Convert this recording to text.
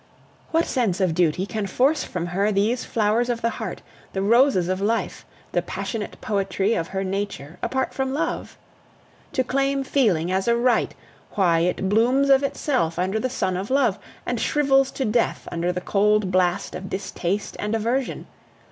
What sense of duty can force from her these flowers of the heart, the roses of life, the passionate poetry of her nature, apart from love? To claim feeling as a right! Why, it blooms of itself under the sun of love, and shrivels to death under the cold blast of distaste and aversion!